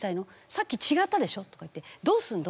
さっき違ったでしょう」とかいって「どうするの？